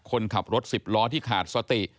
คนขับรถ๑๐ล้อที่ขาดสติ